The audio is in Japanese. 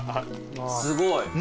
すごい。